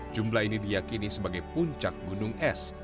jumlah ini diyakini sebagai puncak gunung es